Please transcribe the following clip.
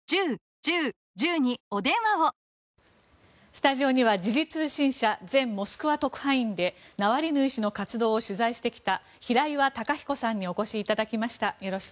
スタジオには時事通信社、前モスクワ特派員でナワリヌイ氏の活動を取材してきた平岩貴比古さんにお越しいただきました。